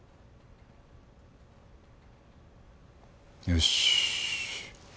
よし。